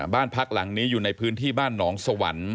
บ้านพักหลังนี้อยู่ในพื้นที่บ้านหนองสวรรค์